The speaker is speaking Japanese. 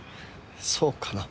そうかな。